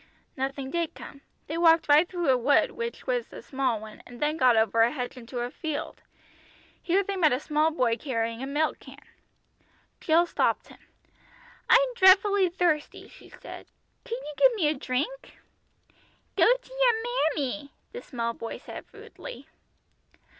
Nothing did come. They walked right through the wood, which was a small one, and then got over a hedge into a field. Here they met a small boy carrying a milk can. Jill stopped him. "I'm dreadfully thirsty," she said. "Could you give me a drink?" "Go to your mammy!" the small boy said rudely.